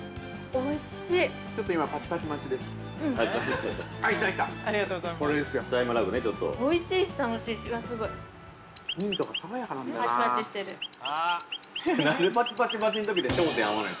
◆おいしい。